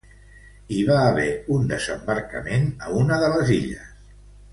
Hi va haver un desembarcament a una de les illes.